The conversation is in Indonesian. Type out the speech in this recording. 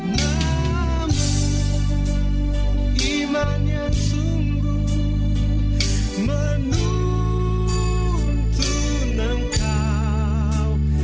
namun iman yang sungguh menuntun engkau